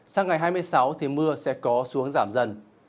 sáng ngày hai mươi sáu thì mưa sẽ có xu hướng giảm dần